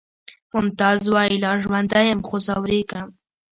ممتاز وایی لا ژوندی یم خو ځورېږم